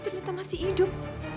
terima kasih pak